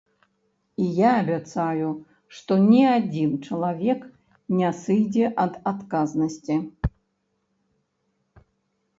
І я абяцаю, што ні адзін чалавек не сыдзе ад адказнасці!